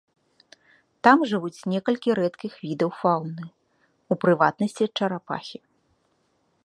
Там жывуць некалькі рэдкіх відаў фаўны, у прыватнасці чарапахі.